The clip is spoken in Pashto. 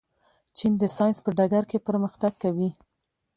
چین د ساینس په ډګر کې پرمختګ کوي.